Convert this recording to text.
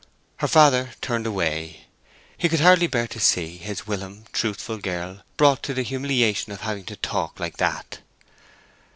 Her father turned away. He could hardly bear to see his whilom truthful girl brought to the humiliation of having to talk like that.